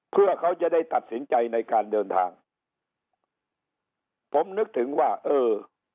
เพื่อเขาจะได้ตัดสินใจในการเดินทางผมนึกถึงว่าเออ